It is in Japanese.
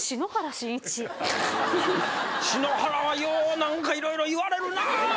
篠原はよう何か色々言われるな！